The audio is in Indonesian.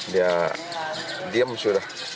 dia diam sudah